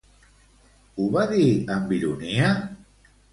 Ho va dir amb ironia?